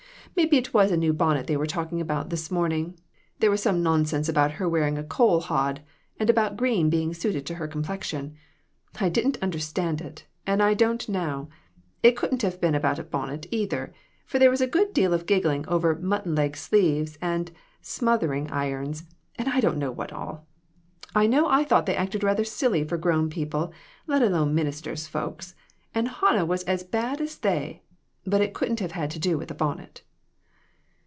Maybe it was a new bonnet they were talking about this morning; there was some nonsense about her wearing a coal hod, and about green being suited to her complexion. I didn't understand it, and I don't now. It couldn't have been about a bonnet, either ; for there was a good deal of gig gling over ' mutton leg sleeves ' and ' smoothing irons,' and I don't know what all. I know I thought they acted rather silly for grown people, let alone ministers' folks ; and Hannah was as bad as they. But it couldn't have had to do with a bonnet."